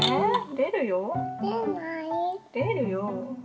出るよ。